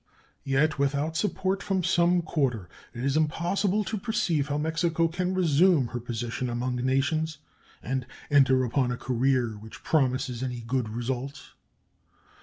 Yet without support from some quarter it is impossible to perceive how Mexico can resume her position among nations and enter upon a career which promises any good results.